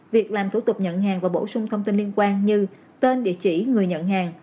việc làm thủ tục nhận hàng và bổ sung thông tin liên quan như tên địa chỉ người nhận hàng